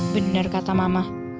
bener kata mama